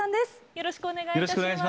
よろしくお願いします。